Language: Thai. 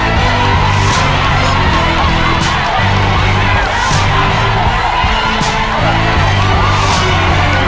เพื่อชิงทุนต่อชีวิตสุด๑ล้านบาท